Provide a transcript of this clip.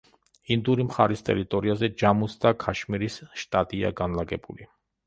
ინდური მხარის ტერიტორიაზე ჯამუს და ქაშმირის შტატია განლაგებული.